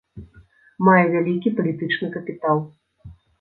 Мае вялікі палітычны капітал.